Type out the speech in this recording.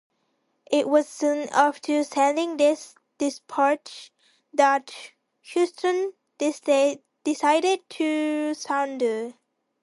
It was soon after sending this dispatch that Heuston decided to surrender.